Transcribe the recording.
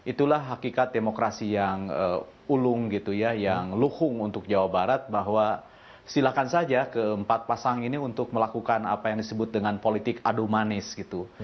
itulah hakikat demokrasi yang ulung gitu ya yang luhung untuk jawa barat bahwa silakan saja keempat pasang ini untuk melakukan apa yang disebut dengan politik adu manis gitu